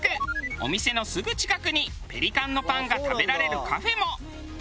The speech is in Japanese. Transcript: お店のすぐ近くにペリカンのパンが食べられるカフェも。